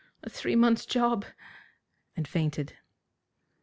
"A three months' job," and fainted.